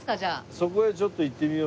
そこへちょっと行ってみよう。